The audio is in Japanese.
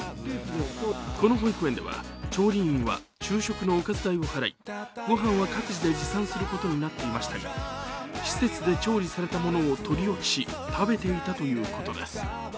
この保育園では調理員は昼食のおかず代を払いごはんは各自で持参することになっていましたが施設で調理されたものを取り置きし、食べていたということです。